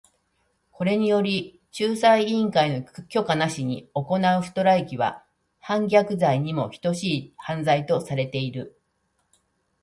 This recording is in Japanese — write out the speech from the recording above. これにより、仲裁委員会の許可なしに行うストライキは反逆罪にも等しい犯罪とされている。